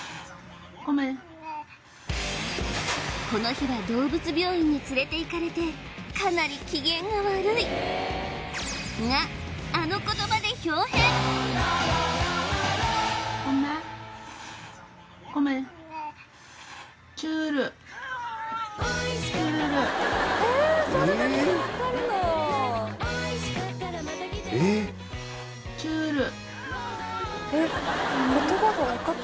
この日は動物病院につれて行かれてかなり機嫌が悪いが・おこめおこめえーっ？